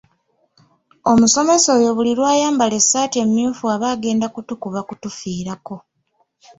Omusomesa oyo buli lw'ayambala essaati emyufu aba agenda kutukuba kutufiirako.